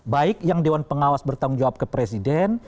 baik yang dewan pengawas bertanggung jawab ke presiden